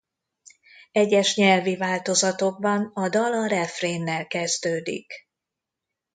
Egyes nyelvi változatokban a dal a refrénnel kezdődik.